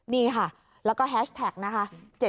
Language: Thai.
นี่ค่ะแล้วก็แฮชแท็กนะคะ